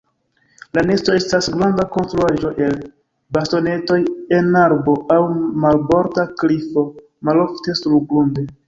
La nesto estas granda konstruaĵo el bastonetoj en arbo aŭ marborda klifo; malofte surgrunde.